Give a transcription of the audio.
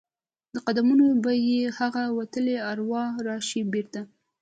د قدمونو به یې هغه وتلي اروا راشي بیرته؟